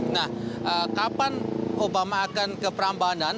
nah kapan obama akan ke prambanan